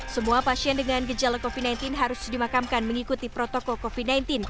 semua pasien dengan gejala covid sembilan belas harus dimakamkan mengikuti protokol covid sembilan belas